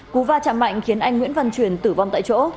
cú va chạm mạnh khiến anh nguyễn văn truyền tử vong tại chỗ